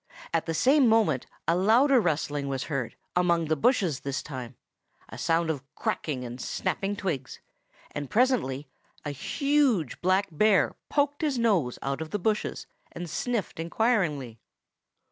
At the same moment a louder rustling was heard, among the bushes this time, a sound of cracking and snapping twigs, and presently a huge black bear poked his nose out of the bushes, and sniffed inquiringly.